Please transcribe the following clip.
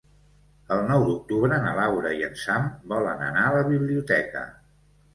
El nou d'octubre na Laura i en Sam volen anar a la biblioteca.